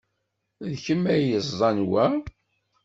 D kemm ay yeẓẓan wa?